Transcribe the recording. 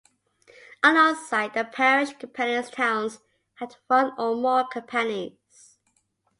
Alongside the parish companies, towns had one or more companies.